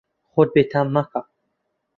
خۆت بێتام مەکە.